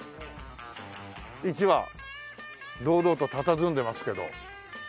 一羽堂々とたたずんでますけど。